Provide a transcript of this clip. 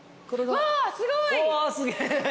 うわすげえ。